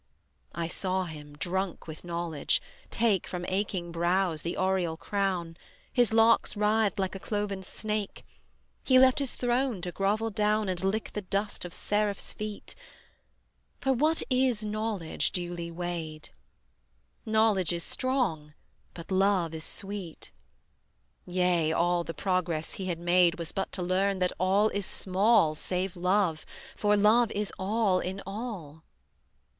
I saw him, drunk with knowledge, take From aching brows the aureole crown, His locks writhed like a cloven snake, He left his throne to grovel down And lick the dust of Seraphs' feet: For what is knowledge duly weighed? Knowledge is strong, but love is sweet; Yea, all the progress he had made Was but to learn that all is small Save love, for love is all in all.